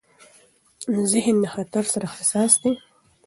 ذهن د خطر سره حساس دی.